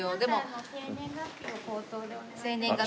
生年月日。